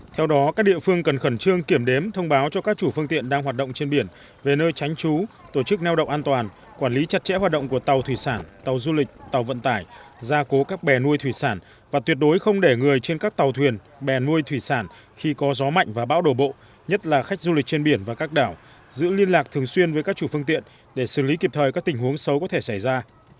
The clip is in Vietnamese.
theo đó các địa phương cần khẩn trương kiểm đếm thông báo cho các chủ phương tiện đang hoạt động trên biển về nơi tránh trú tổ chức neo động an toàn quản lý chặt chẽ hoạt động của tàu thủy sản tàu du lịch tàu vận tải gia cố các bè nuôi thủy sản và tuyệt đối không để người trên các tàu thuyền bè nuôi thủy sản khi có gió mạnh và bão đổ bộ nhất là khách du lịch trên biển và các đảo giữ liên lạc thường xuyên với các chủ phương tiện để xử lý kịp thời các tình huống xấu có thể xảy ra